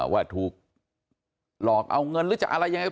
ว่าถูกหลอกเอาเงินหรือจะอะไรยังไง